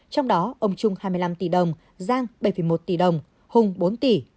trong đó ông trung hai mươi năm tỷ đồng giang bảy một tỷ đồng hùng bốn tỷ